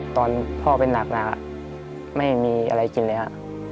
ตอนพ่อเป็นหนักหนักอะไม่มีอะไรกินเลยอะ